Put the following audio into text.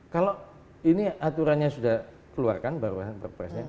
kalau ini aturannya sudah keluarkan baru perpresnya